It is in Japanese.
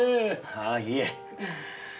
ああいえ。